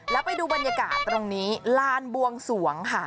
แล้วไปดูบรรยากาศตรงนี้ลานบวงสวงค่ะ